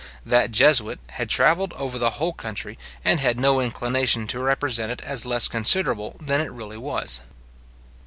That jesuit had travelled over the whole country, and had no inclination to represent it as less inconsiderable than it really was.